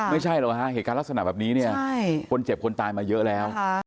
ไม่ใช่หรอกฮะเหตุการณ์ลักษณะแบบนี้เนี่ยคนเจ็บคนตายมาเยอะแล้ว